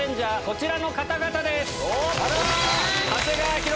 こちらの方々です！